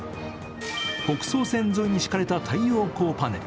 北総線沿いに敷かれた太陽光パネル。